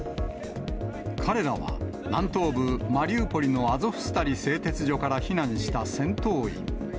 彼らは南東部マリウポリのアゾフスタリ製鉄所から避難した戦闘員。